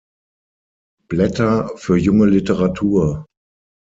Blätter für junge Literatur".